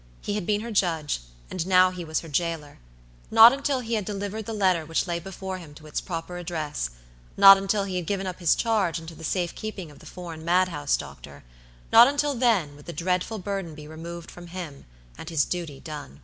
He had been her judge; and he was now her jailer. Not until he had delivered the letter which lay before him to its proper address, not until he had given up his charge into the safe keeping of the foreign mad house doctor, not until then would the dreadful burden be removed from him and his duty done.